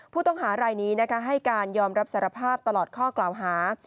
ผู้ต้องหารายนี้ให้การยอมรับสารภาพตลอดข้อกล่าวหา